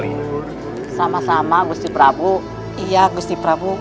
itu tentang si tiga puluh satu